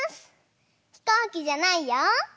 ひこうきじゃないよ。